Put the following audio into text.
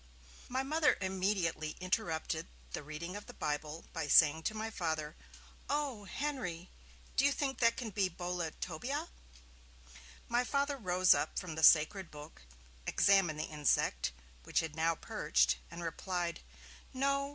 My Mother immediately interrupted the reading of the Bible by saying to my Father, 'O! Henry, do you think that can be "Boletobia"?' My Father rose up from the sacred book, examined the insect, which had now perched, and replied: 'No!